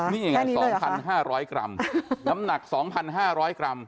แค่นี้เลยเหรอคะนี่อย่างนี้๒๕๐๐กรัมน้ำหนัก๒๕๐๐กรัม